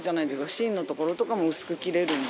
芯のところとかも薄く切れるので。